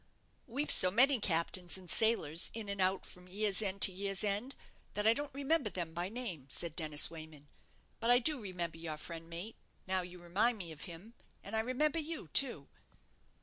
"We've so many captains and sailors in and out from year's end to year's end, that I don't remember them by name," said Dennis Wayman; "but I do remember your friend, mate, now you remind me of him; and I remember you, too."